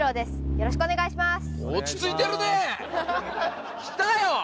よろしくお願いします。